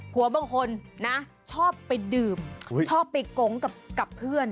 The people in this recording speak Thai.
หัวบางคนนะชอบไปดื่มชอบไปโกงกับเพื่อน